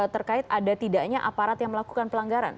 terkait ada tidaknya aparat yang melakukan pelanggaran